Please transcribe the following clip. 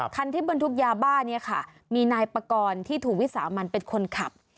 คันที่บรรทุกยาบ้าเนี่ยค่ะมีนายปากรที่ถูกวิสามันเป็นคนขับ